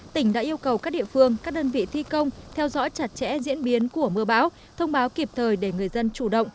tỉnh đã yêu cầu các địa phương các đơn vị thi công theo dõi chặt chẽ diễn biến của mưa báo thông báo kịp thời để người dân chủ động